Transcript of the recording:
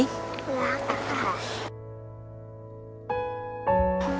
รักก็ค่ะ